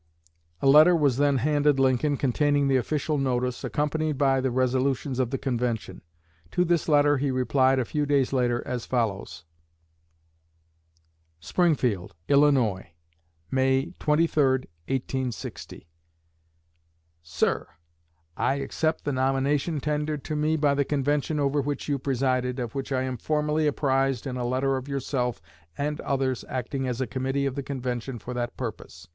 A letter was then handed Lincoln containing the official notice, accompanied by the resolutions of the convention. To this letter he replied, a few days later, as follows: SPRINGFIELD, ILLINOIS, MAY 23, 1860. SIR I accept the nomination tendered to me by the convention over which you presided, of which I am formally apprised in a letter of yourself and others acting as a Committee of the Convention for that purpose.